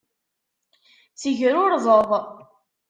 Tegrurzeḍ.